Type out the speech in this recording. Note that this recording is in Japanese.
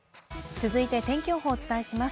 続いて天気予報をお伝えします。